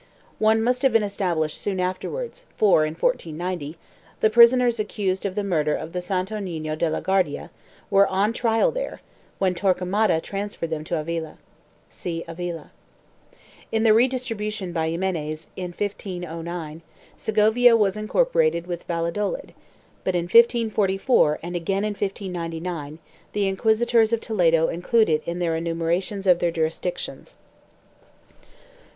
2 One must have been established soon afterwards for, in 1490, the prisoners accused of the murder of the Santo Nino de la Ouardia were on trial there when Torquemada transferred them to Avila. (See AVILA.) In the redistribution by Ximenes, in 1509, Segovia was incorporated with Valladolid, but, in 1544 and again in 1599, the inquisitors of Toledo include it in their enumeration of their jurisdictions.